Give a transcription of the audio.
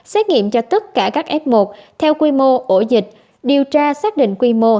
xét nghiệm cho tất cả các f một theo quy mô ổ dịch điều tra xác định quy mô